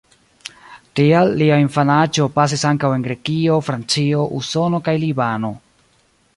Tial lia infanaĝo pasis ankaŭ en Grekio, Francio, Usono kaj Libano.